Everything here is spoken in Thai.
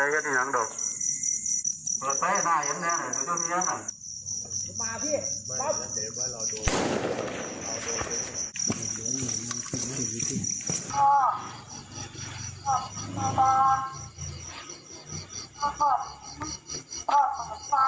กลับมาพี่